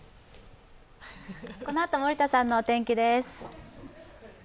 このあとは森田さんのお天気です。